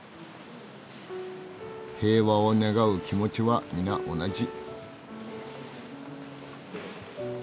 平和を願う気持ちは皆同じ。